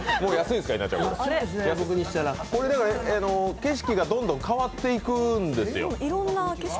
景色がどんどん変わっていくんですよ。